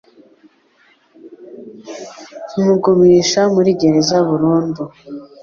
kimugumisha muri gereza burundu